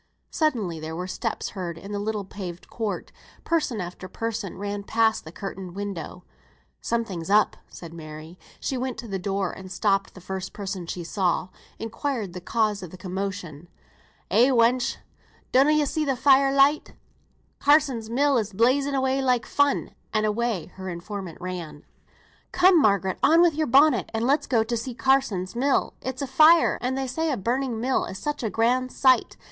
Suddenly there were steps heard in the little paved court; person after person ran past the curtained window. "Something's up," said Mary. She went to the door and stopping the first person she saw, inquired the cause of the commotion. "Eh, wench! donna ye see the fire light? Carsons' mill is blazing away like fun;" and away her informant ran. "Come, Margaret, on wi' your bonnet, and let's go to see Carsons' mill; it's afire, and they say a burning mill is such a grand sight.